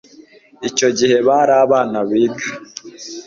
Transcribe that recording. icyo gihe bari abana biga